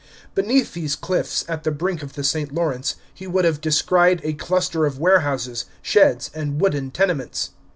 Beneath these cliffs, at the brink of the St. Lawrence, he would have descried a cluster of warehouses, sheds, and wooden tenements.